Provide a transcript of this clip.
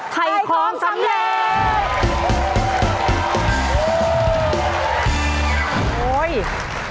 ไทยของสำเร็จ